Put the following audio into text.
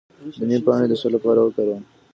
د نیم پاڼې د څه لپاره وکاروم؟